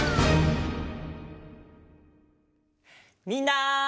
みんな！